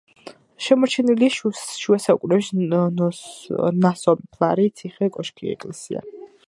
შემორჩენილია შუა საუკუნეების ნასოფლარი, ციხე-კოშკი, ეკლესია.